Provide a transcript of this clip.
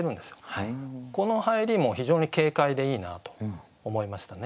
この入りも非常に軽快でいいなと思いましたね。